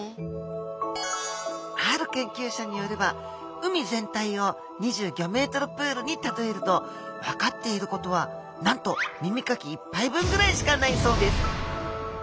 ある研究者によれば海全体を２５ｍプールに例えると分かっていることはなんと耳かき１杯分くらいしかないそうです。